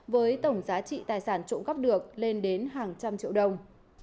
với tổng giá trị tài sản trộm cắp được lên đến hàng trăm triệu đồng